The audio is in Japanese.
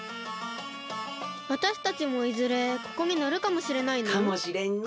わたしたちもいずれここにのるかもしれないの？かもしれんの。